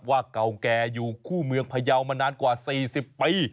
เก่าแก่อยู่คู่เมืองพยาวมานานกว่า๔๐ปี